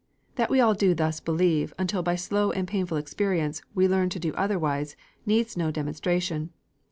That we all do thus believe until by slow and painful experience we learn to do otherwise, needs no demonstration.